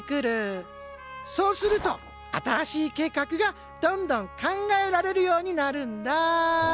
そうすると新しい計画がどんどん考えられるようになるんだ。